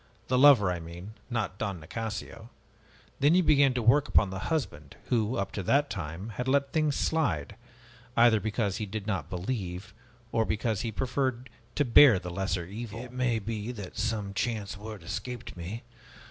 The lover, I mean, not Don Nicasio. And you began to work upon the husband, who, up to that time, had let things slide, either because he did not believe, or else because he preferred to bear the lesser evil " "It may be that some chance word escaped me.